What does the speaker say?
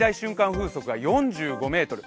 風速が４５メートル。